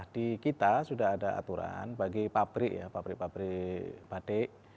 di kita sudah ada aturan bagi pabrik pabrik batik